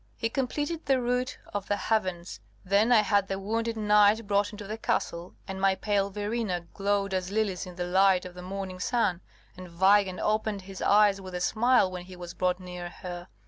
We completed the rout of the heathens: then I had the wounded knight brought into the castle; and my pale Verena glowed as lilies in the light of the morning sun, and Weigand opened his eyes with a smile when he was brought near her.